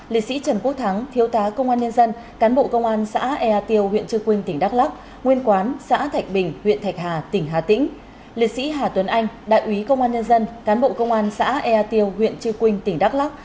liệt sĩ trần quốc thắng thiếu tá công an nhân dân cán bộ công an xã ea tiêu huyện trư quynh tỉnh đắk lắk